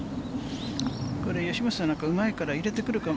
吉本さん、うまいから入れてくるかも。